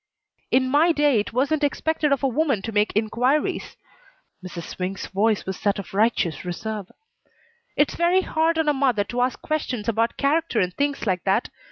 "In my day it wasn't expected of a woman to make inquiries." Mrs. Swink's voice was that of righteous reserve. "It's very hard on a mother to ask questions about character and things like that.